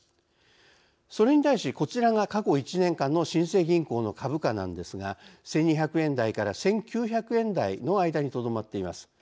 それに対しこちらが過去１年間の新生銀行の株価なんですが１，２００円台から１，９００円台の間にとどまっています。